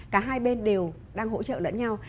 cả hai bên đều đang hỗ trợ lẫn nhau